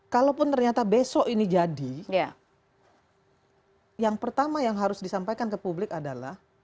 kalaupun ternyata besok ini jadi yang pertama yang harus disampaikan ke publik adalah